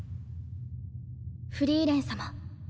フリーレン様。